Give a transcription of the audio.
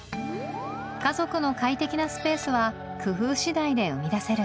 家族の快適なスペースは工夫次第で生み出せる